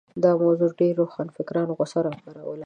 دا موضوع د ډېرو روښانفکرانو غوسه راوپاروله.